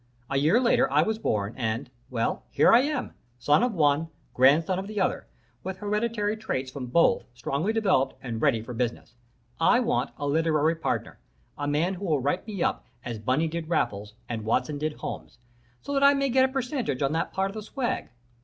A year later I was born, and well, here I am son of one, grandson of the other, with hereditary traits from both strongly developed and ready for business. I want a literary partner a man who will write me up as Bunny did Raffles, and Watson did Holmes, so that I may get a percentage on that part of the swag.